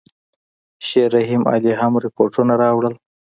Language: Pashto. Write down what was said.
شیخ رحیم علي هم رپوټونه راوړل.